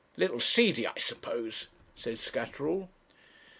'A little seedy, I suppose,' said Scatterall.